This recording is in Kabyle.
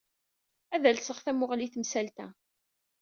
Ad alseɣ tamuɣli i temsalt-a.